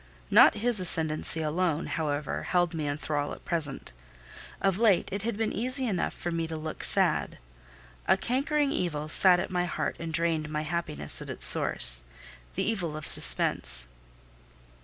Not his ascendancy alone, however, held me in thrall at present. Of late it had been easy enough for me to look sad: a cankering evil sat at my heart and drained my happiness at its source—the evil of suspense.